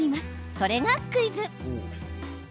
それが、クイズ。